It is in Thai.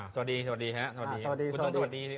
สวัสดีครับ